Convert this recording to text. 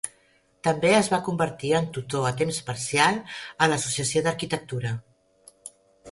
També es va convertir en tutor a temps parcial a l'Associació d'Arquitectura.